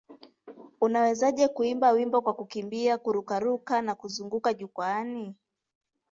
Unawezaje kuimba wimbo kwa kukimbia, kururuka na kuzunguka jukwaani?